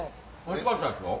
おいしかったですよ。